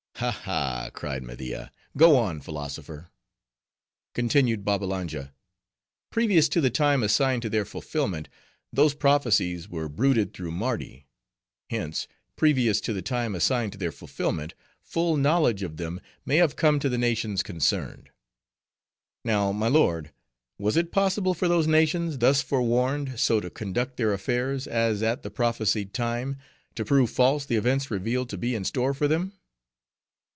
"Ha! ha!" cried Media. "Go on, philosopher." Continued Babbalanja, "Previous to the time assigned to their fulfillment, those prophecies were bruited through Mardi; hence, previous to the time assigned to their fulfillment, full knowledge of them may have come to the nations concerned. Now, my lord, was it possible for those nations, thus forwarned, so to conduct their affairs, as at, the prophesied time, to prove false the events revealed to be in store for them?"